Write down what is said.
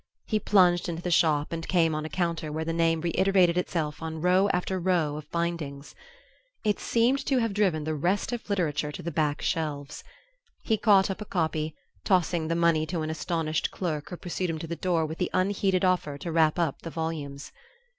He plunged into the shop and came on a counter where the name reiterated itself on row after row of bindings. It seemed to have driven the rest of literature to the back shelves. He caught up a copy, tossing the money to an astonished clerk who pursued him to the door with the unheeded offer to wrap up the volumes.